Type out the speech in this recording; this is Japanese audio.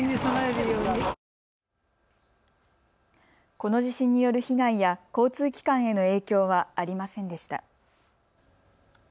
この地震による被害や交通機関への影響はありませんでした。